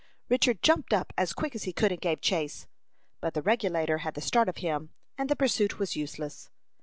Richard jumped up as quick as he could and gave chase. But the Regulator had the start of him, and the pursuit was useless.